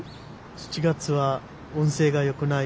７月は運勢がよくない。